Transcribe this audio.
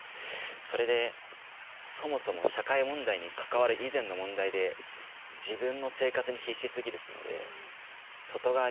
それでそもそも社会問題に関わる以前の問題で自分の生活に必死すぎるっていうので外側に向けれないっていうのもあるね。